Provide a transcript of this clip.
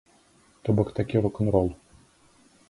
То бок такі рок-н-рол.